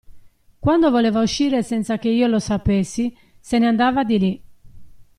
Quando voleva uscire senza che io lo sapessi, se ne andava di lì.